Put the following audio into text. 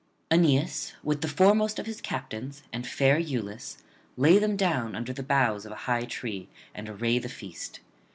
Aeneas, with the foremost of his captains and fair Iülus, lay them down under the boughs of a high tree and array the feast.